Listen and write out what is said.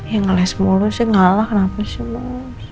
ya ngeles mulu sih ngalah kenapa sih mas